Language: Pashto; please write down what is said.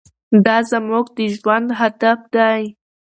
دا زموږ د ژوند هدف دی.